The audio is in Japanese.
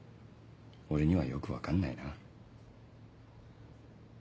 俺にはよく分かんないな。